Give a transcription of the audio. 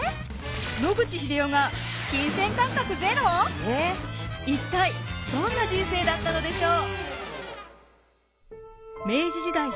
野口英世が一体どんな人生だったのでしょう？